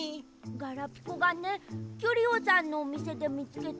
ガラピコがねキュリオさんのおみせでみつけたあおい